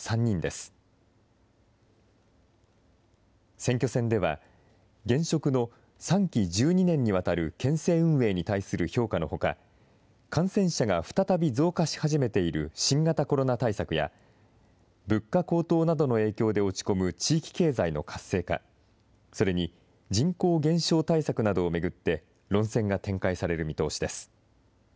選挙戦では、現職の３期１２年にわたる県政運営に対する評価のほか、感染者が再び増加し始めている新型コロナ対策や、物価高騰などの影響で落ち込む地域経済の活性化、それに人口減少対策などを巡って、論戦が展開される見通しです。